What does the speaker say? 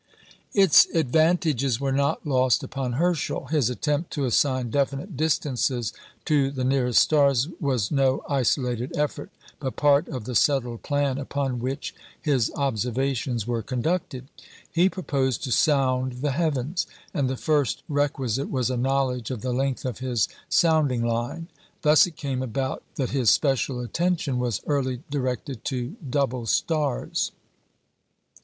Its advantages were not lost upon Herschel. His attempt to assign definite distances to the nearest stars was no isolated effort, but part of the settled plan upon which his observations were conducted. He proposed to sound the heavens, and the first requisite was a knowledge of the length of his sounding line. Thus it came about that his special attention was early directed to double stars.